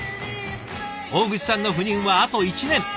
大串さんの赴任はあと１年。